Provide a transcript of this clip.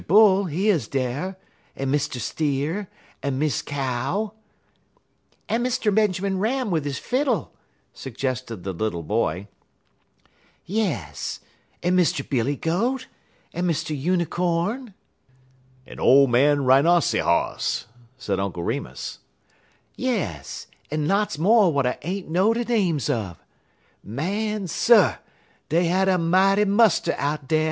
Bull, he 'uz dar, en Mr. Steer, en Miss Cow" "And Mr. Benjamin Ram, with his fiddle," suggested the little boy. "Yes, 'n Mr. Billy Goat, en Mr. Unicorn" "En ole man Rinossyhoss," said Uncle Remus. "Yes, 'n lots mo' w'at I ain't know de names un. Man Sir! dey had a mighty muster out dar.